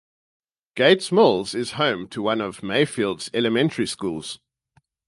Gates Mills is home to one of Mayfield's elementary schools.